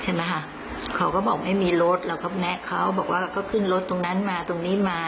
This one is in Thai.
ใช่ไหมคะเขาก็บอกไม่มีรถเราก็แนะเขาบอกว่าก็ขึ้นรถตรงนั้นมาตรงนี้มา